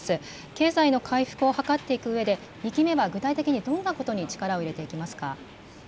経済の回復を図っていくうえで、２期目は具体的にどんなことに力を入れていきますか？